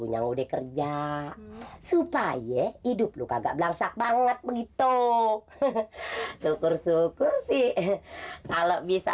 nyaw de kerja supaya hidup lu kakak blaksak banget begitu jehe shukuru dichs kalau bisa